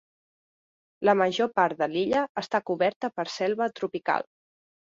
La major part de l'illa està coberta per selva tropical.